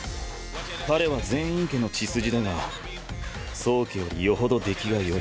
彼は禪院家の血筋だが宗家よりよほど出来がよい。